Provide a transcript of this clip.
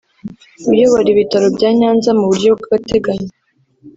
uyobora ibitaro bya Nyanza mu buryo bw’agateganyo